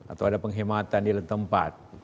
atau ada penghematan di tempat